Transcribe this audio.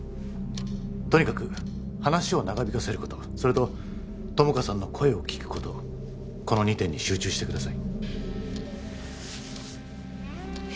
とにかく話を長引かせることそれと友果さんの声を聞くことこの２点に集中してください